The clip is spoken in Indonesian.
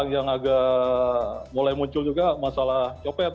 yang agak mulai muncul juga masalah copet